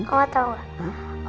oma tau gak